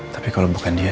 tapi kalau bukan dia